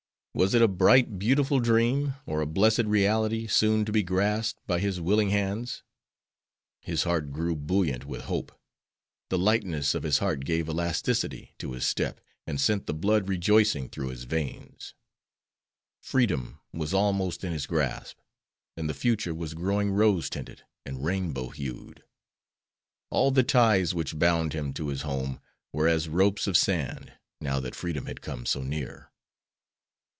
Was it a bright, beautiful dream, or a blessed reality soon to be grasped by his willing hands? His heart grew buoyant with hope; the lightness of his heart gave elasticity to his step and sent the blood rejoicingly through his veins. Freedom was almost in his grasp, and the future was growing rose tinted and rainbow hued. All the ties which bound him to his home were as ropes of sand, now that freedom had come so near.